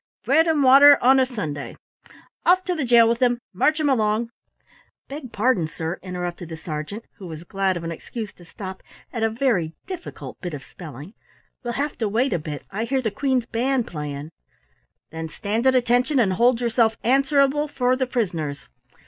"Bread and water, on a Sunday. Off to the jail with 'em march 'em along!" "Beg pardon, sir," interrupted the sergeant who was glad of an excuse to stop at a very difficult bit of spelling. "We'll have to wait a bit. I hear the Queen's band playin' " "Then stand at attention and hold yourself answerable for the prisoners!"